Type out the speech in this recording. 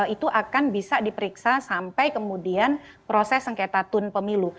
itu akan bisa diperiksa sampai kemudian proses sengketa tun pemilu